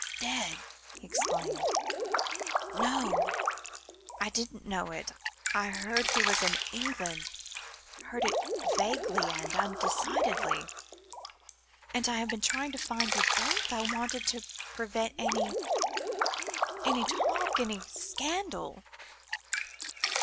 "Dead?" he exclaimed. "No; I did not know. I heard he was in England, heard it vaguely and undecidedly, and I have been trying to find you both. I wanted to prevent any any talk any scandal."